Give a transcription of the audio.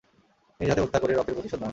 নিজ হাতে হত্যা করে রক্তের প্রতিশোধ নাও।